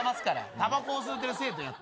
たばこを吸うてる生徒やって。